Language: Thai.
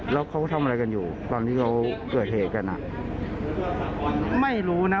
แล้วเขาทำอะไรกันอยู่ตอนที่เขาเกิดเหตุกันอ่ะไม่รู้นะ